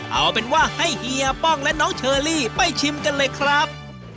เอาเป็นว่าให้เฮียป้องและน้องเชอรี่ไปชิมกันเลยครับ